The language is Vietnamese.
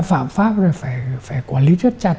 phạm pháp thì phải quản lý rất chặt